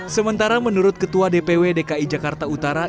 sementara menurut ketua dpw dki jakarta utara